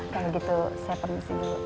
kalau gitu saya permisi dulu